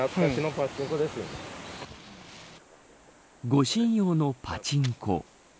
護身用のパチンコ。